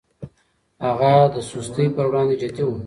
هغه د سستي پر وړاندې جدي و.